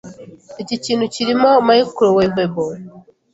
Iki kintu kirimo microwavable?